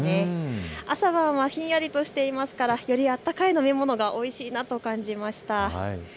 朝晩はひんやりとしていますからより温かい飲み物がおいしいなと感じました。